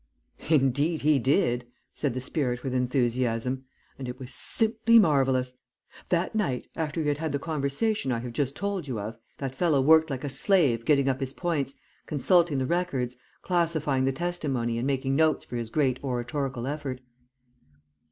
"Indeed he did," said the spirit with enthusiasm, "and it was simply marvellous. That night, after we had had the conversation I have just told you of, that fellow worked like a slave getting up his points, consulting the records, classifying the testimony and making notes for his great oratorical effort.